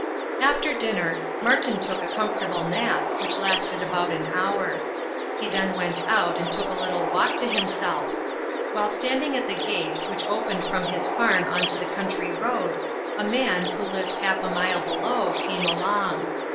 After dinner, Martin took a comfortable nap, which lasted about an hour. He then went out and took a little walk to himself. While standing at the gate, which opened from his farm on to the county road, a man, who lived half a mile below, came along.